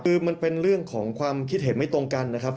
คือมันเป็นเรื่องของความคิดเห็นไม่ตรงกันนะครับ